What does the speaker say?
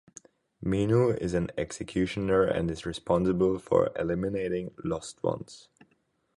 Menou is an Executioner and is responsible for eliminating Lost Ones.